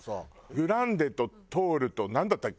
グランデとトールとなんだったっけ？